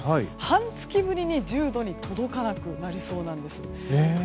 半月ぶりに１０度に届かなくなりそうなんです。